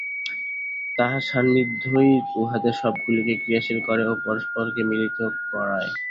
তাঁহার সান্নিধ্যই উহাদের সবগুলিকে ক্রিয়াশীল করে ও পরস্পরকে মিলিত করায়।